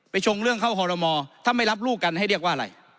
ชงเรื่องเข้าคอรมอถ้าไม่รับลูกกันให้เรียกว่าอะไร